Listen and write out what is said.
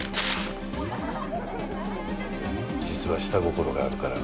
実は下心があるから。